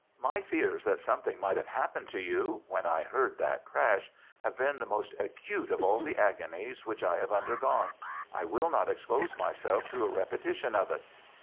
My fears that something might have happened to you—when I heard that crash—have been the most acute of all the agonies which I have undergone. I will not expose myself to a repetition of it."